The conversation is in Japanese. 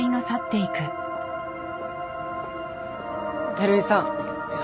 照井さん。